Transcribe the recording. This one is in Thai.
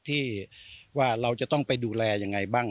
ที่ว่าเราจะต้องไปดูแลยังไงบ้าง